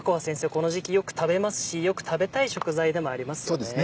この時期よく食べますしよく食べたい食材でもありますよね。